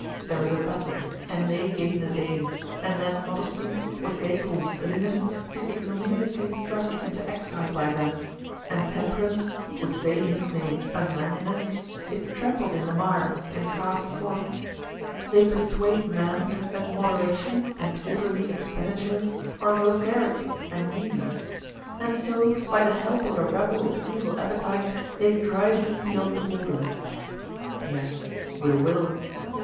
There is a battle and they gain the day, and then modesty, which they call silliness, is ignominiously thrust into exile by them, and temperance, which they nickname unmanliness, is trampled in the mire and cast forth; they persuade men that moderation and orderly expenditure are vulgarity and meanness, and so, by the help of a rabble of evil appetites, they drive them beyond the border. Yes, with a will.